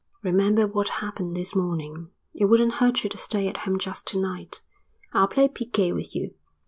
"Remember what happened this morning. It wouldn't hurt you to stay at home just to night. I'll play piquet with you."